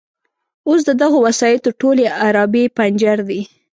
اوس د دغو وسایطو ټولې عرابې پنجر دي.